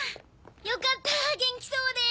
よかった元気そうで。